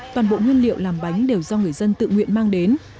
toàn bộ nguyên liệu làm bánh đều do người dân tự nguyện mang đến